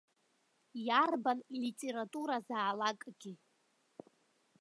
Иарбан литературазаалакгьы.